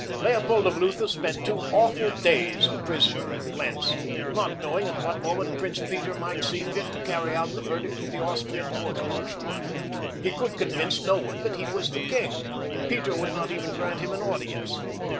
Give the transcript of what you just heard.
Leopold of Lutha spent two awful days a prisoner at Blentz, not knowing at what moment Prince Peter might see fit to carry out the verdict of the Austrian court martial. He could convince no one that he was the king. Peter would not even grant him an audience.